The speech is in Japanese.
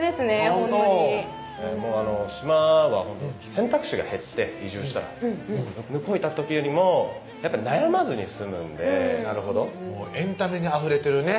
ほんとに島は選択肢が減って移住したら向こういた時よりもやっぱ悩まずに済むんでもうエンタメにあふれてるね